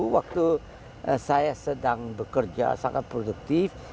waktu saya sedang bekerja sangat produktif